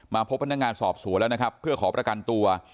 พบพนักงานสอบสวนแล้วนะครับเพื่อขอประกันตัว